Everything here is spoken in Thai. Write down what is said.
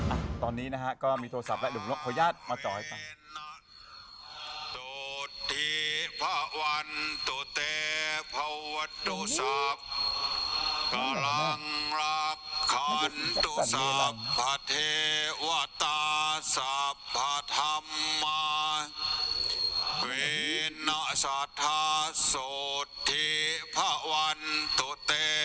อ่ะตอนนี้นะฮะก็มีโทรศัพท์และดุงโรคพ่อญาติมาจ่อให้ไป